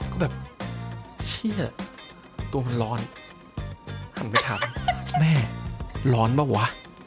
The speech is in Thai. ก็แบบเชื่อตัวมันร้อนหันไปถามแม่ร้อนเปล่าวะ